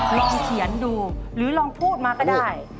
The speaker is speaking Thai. ลองเขียนดูหรือลองพูดมาก็ได้